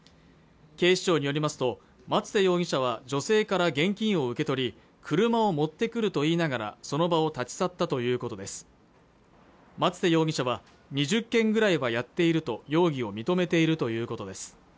警視庁によりますと松瀬容疑者は女性から現金を受け取り車を持ってくると言いながらその場を立ち去ったということです松瀬容疑者は２０件ぐらいはやっていると容疑を認めているということです